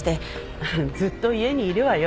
うんずっと家にいるわよ。